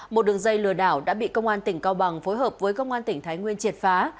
một đường dây lừa đảo đã bị công an tỉnh cao bằng phối hợp với công an tỉnh thái nguyên triệt phá